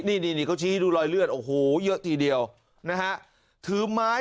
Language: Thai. นี่นี่เขาชี้ดูรอยเลือดโอ้โหเยอะทีเดียวนะฮะถือไม้